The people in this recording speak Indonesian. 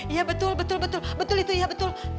iya betul betul betul